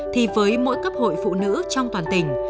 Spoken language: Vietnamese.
thì với mỗi cấp hội phụ nữ trong toàn tỉnh